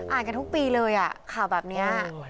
อ่านกันทุกปีเลยอ่ะข่าวแบบเนี้ย